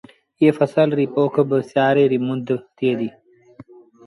ايٚئي ڦسل ريٚ پوک با سيآري ريٚ مند ٿئي ديٚ